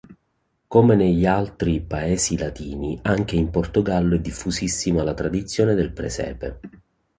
Come negli altri Paesi latini, anche in Portogallo è diffusissima la tradizione del presepe.